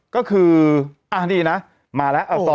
๑ก็คืออ่าดีนะมาแล้ว